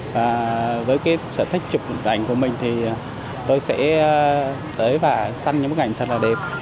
và với cái sở thích chụp ảnh của mình thì tôi sẽ tới và săn những bức ảnh thật là đẹp